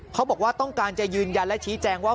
เขาบอกว่าต้องการจะยืนยันและชี้แจงว่า